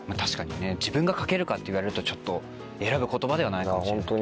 自分が掛けるか？って言われるとちょっと選ぶ言葉ではないかもしれない。